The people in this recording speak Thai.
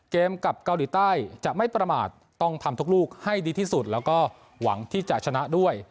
กับเกาหลีใต้จะไม่ประมาทต้องทำทุกลูกให้ดีที่สุดแล้วก็หวังที่จะชนะด้วย